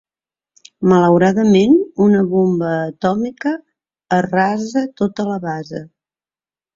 Malauradament, una bomba atòmica arrasa tota la base.